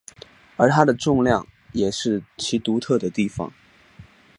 而它的重量也是其独特的地方。